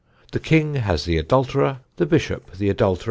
The king has the adulterer, the bishop the adulteress."